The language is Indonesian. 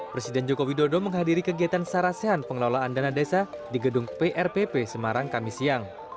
presiden joko widodo menghadiri kegiatan sarasehan pengelolaan dana desa di gedung prpp semarang kami siang